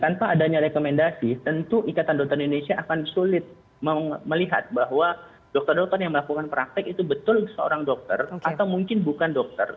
tanpa adanya rekomendasi tentu ikatan dokter indonesia akan sulit melihat bahwa dokter dokter yang melakukan praktek itu betul seorang dokter atau mungkin bukan dokter